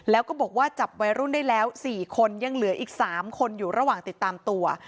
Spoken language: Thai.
แล้วก็บอกว่าจับวัยรุ่นได้แล้ว๔คนยังเหลืออีก๓คนอยู่ระหว่างติดตามตัว